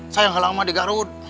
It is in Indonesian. sayang halang sama di garut